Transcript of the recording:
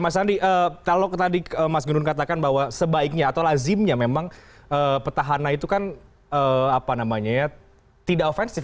mas andi kalau tadi mas gunun katakan bahwa sebaiknya atau lazimnya memang petahana itu kan tidak ofensif